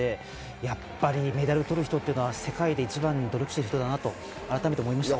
やっぱりメダルを取る人っていうのは世界で一番努力している人だなと改めて思いました。